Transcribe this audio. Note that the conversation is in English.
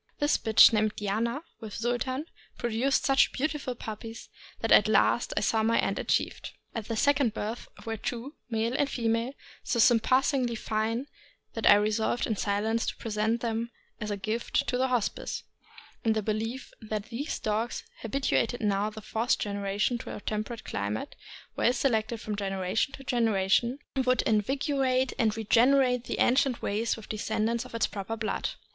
This bitch, named Diana, with Sultan, produced such beautiful puppies that at last I saw my end achieved. At the second birth were two, male and female, so surpassingly fine that I resolved in silence to present them as a gift to the Hospice, in the belief that these dogs, habituated now to the fourth generation to a temperate cli mate, well selected from generation to generation, would invigorate and regenerate the ancient race with the descendants of its proper blood.